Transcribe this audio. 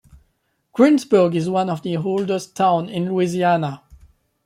Greensburg is one of the oldest towns in Louisiana.